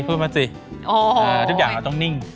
มัพเมียทุกอย่างเราต้องนิ่ง